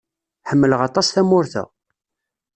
Ḥemmleɣ aṭas tamurt-a.